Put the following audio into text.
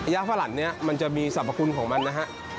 ย่าฝรั่นมันจะมีสรรพคุณของมันนะครับ